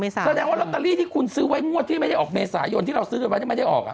แสดงว่าลอตเตอรี่ที่คุณซื้อไว้งวดที่ไม่ได้ออกเมษายนที่เราซื้อกันไว้ไม่ได้ออก